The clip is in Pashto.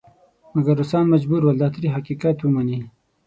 مګر روسان مجبور ول دا تریخ حقیقت ومني.